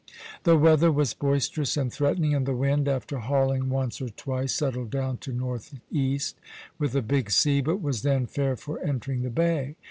The weather was boisterous and threatening, and the wind, after hauling once or twice, settled down to northeast, with a big sea, but was then fair for entering the bay.